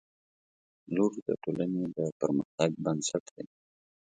• لور د ټولنې د پرمختګ بنسټ دی.